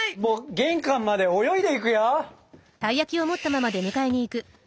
玄関まで泳いでいくよ。